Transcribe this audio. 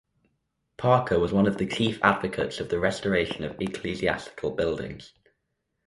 Parker was one of the chief advocates of the restoration of ecclesiastical buildings.